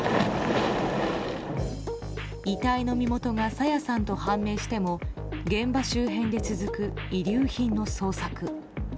遺体の身元が朝芽さんと判明しても現場周辺で続く、遺留品の捜索。